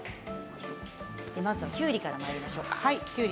まずは、きゅうりからまいりましょうか。